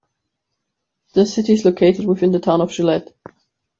The city is located within the Town of Gillett.